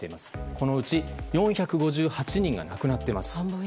このうち４５８人が亡くなっています。